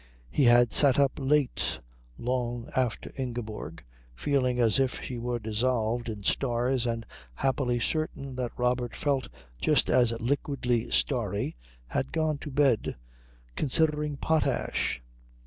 He had sat up late long after Ingeborg, feeling as if she were dissolved in stars and happily certain that Robert felt just as liquidly starry, had gone to bed considering potash.